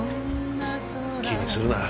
気にするな。